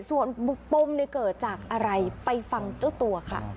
ส่วนปมเกิดจากอะไรไปฟังเจ้าตัวค่ะ